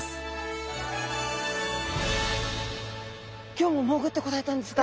今日も潜ってこられたんですか？